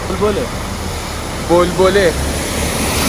بلبله